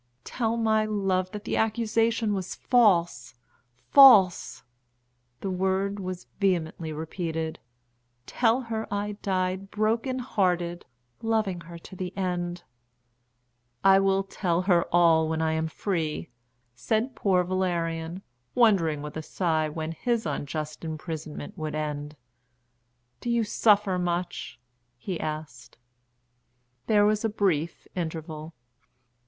"Tell my love that the accusation was false false!" the word was vehemently repeated. "Tell her I died broken hearted, loving her to the end." "I will tell her all when I am free," said poor Valerian, wondering with a sigh when his unjust imprisonment would end. "Do you suffer much?" he asked. There was a brief interval.